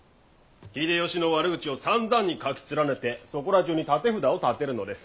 秀吉の悪口をさんざんに書き連ねてそこら中に立て札を立てるのです。